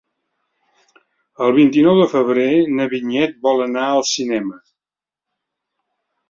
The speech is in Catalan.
El vint-i-nou de febrer na Vinyet vol anar al cinema.